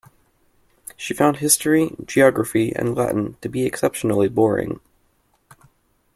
She found history, geography and Latin to be exceptionally boring.